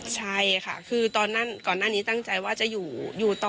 ใช่ค่ะคือก่อนหน้านี้ตั้งใจว่าจะอยู่ต่อ